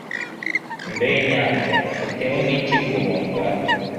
mbe nyanja, utewe n'iki guhunga